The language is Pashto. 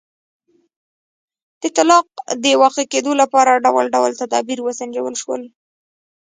د طلاق د واقع کېدو لپاره ډول ډول تدابیر وسنجول شول.